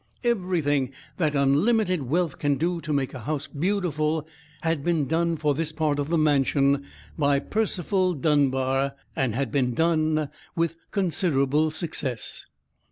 Everything that unlimited wealth can do to make a house beautiful had been done for this part of the mansion by Percival Dunbar; and had been done with considerable success.